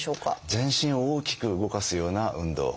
全身を大きく動かすような運動。